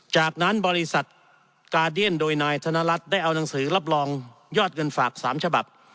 จากนั้นบริษัทกาเดียนโดยนายธนรัฐได้เอาหนังสือรับรองยอดเงินฝาก๓ฉบับ